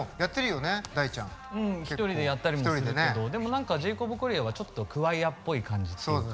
うん一人でやったりもするけどでも何かジェイコブ・コリアーはちょっとクワイアっぽい感じっていうか。